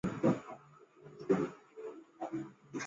但无证件可证明她的年龄。